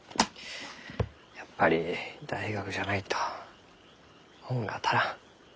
やっぱり大学じゃないと本が足らん。